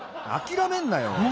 あきらめんなよ！